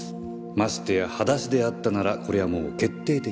ましてや裸足であったならこりゃもう決定的。